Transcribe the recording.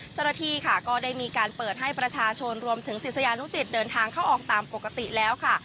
เจ้าหน้าที่ค่ะก็ได้มีการเปิดให้ประชาชนรวมถึงศิษยานุสิตเดินทางเข้าออกตามปกติแล้วค่ะ